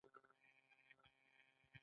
که د افرادو د برخلیک په اړه بې تفاوت وي.